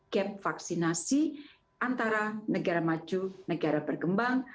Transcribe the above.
gap vaksinasi antara negara maju negara berkembang